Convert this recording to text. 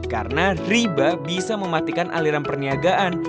karena riba bisa mematikan aliran perniagaan